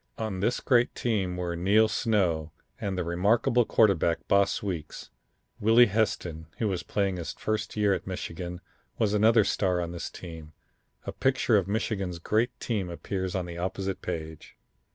On this great team were Neil Snow, and the remarkable quarterback Boss Weeks. Willie Heston, who was playing his first year at Michigan, was another star on this team. A picture of Michigan's great team appears on the opposite page.